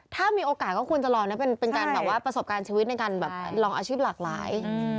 ถ้ามีโอกาสก็ควรจะลองนะเป็นการแบบว่าประสบการณ์ชีวิตในการแบบลองอาชีพหลากหลาย